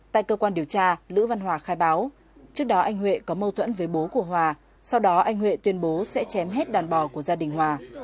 tại cơ quan điều tra lữ văn hòa khai báo trước đó anh huệ có mâu thuẫn với bố của hòa sau đó anh huệ tuyên bố sẽ chém hết đàn bò của gia đình hòa